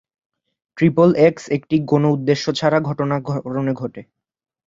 Triple X একটি কোনো উদ্দেশ্য ছাড়া ঘটনা কারণে ঘটে।